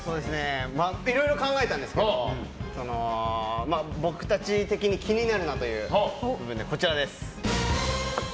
いろいろ考えたんですけど僕たち的に気になるなという部分でこちらです。